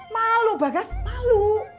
malu bagas malu